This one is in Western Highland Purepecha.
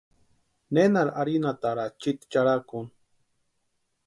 Nenari arhinhataraa chiti charhakuni.